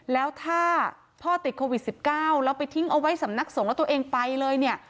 แล้วถ้าพ่อติดโควิด๑๙แล้วไปทิ้งเอาไว้สำนักสงฆ์แล้วตัวเองไปเลยเนี่ย